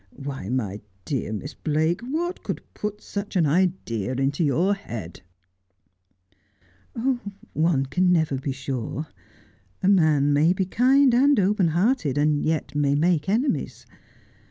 Why, my dear Miss Blake, what could put such an idea into your head ?'' One can never be sure. A man may be kind and open hearted, and yet may make enemies.